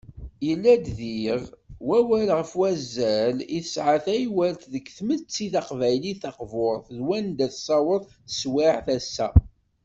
Yella-d diɣ, wawal ɣef wazal i tesɛa teywalt deg tmetti taqbaylit taqburt, d wanda tessaweḍ teswiɛt ass-a.